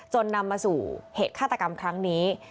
นำมาสู่เหตุฆาตกรรมครั้งนี้